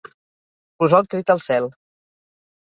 Posar el crit al cel.